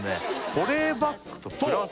保冷バッグとプラス